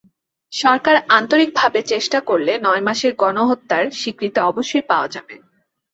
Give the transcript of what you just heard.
সরকার আন্তরিকভাবে চেষ্টা করলে নয় মাসের গণহত্যার স্বীকৃতি অবশ্যই পাওয়া যাবে।